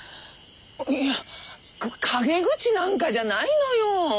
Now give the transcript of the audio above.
いや陰口なんかじゃないのよ。